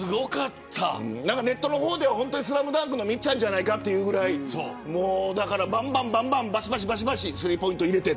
ネットの方ではＳＬＡＭＤＵＮＫのみっちゃんじゃないかというぐらいばんばんスリーポイントを入れて。